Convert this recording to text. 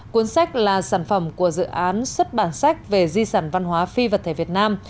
cuốn sách là sản phẩm của dự án xuất bản sách về di sản văn hóa phi vật thể việt nam